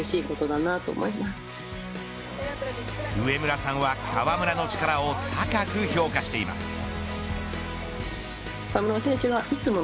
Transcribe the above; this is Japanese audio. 上村さんは川村の力を高く評価しています。